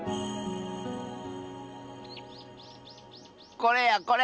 これやこれ。